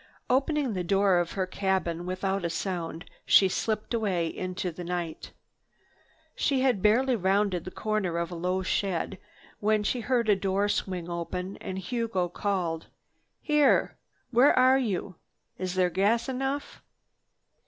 Opening the door of her cabin, without a sound she slipped away into the night. She had barely rounded the corner of a low shed when she heard a door swing open, and Hugo called: "Here! Where are you? Is there gas enough?"